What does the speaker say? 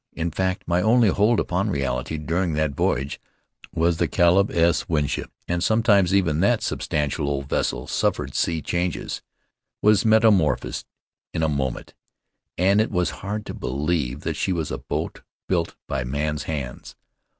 In fact, my only hold upon reality during that voyage was the Caleb S. Winship, and sometimes even that substantial old vessel suffered sea changes; was metamorphosed in a moment; and it was hard to believe that she was a boat built by men's hands.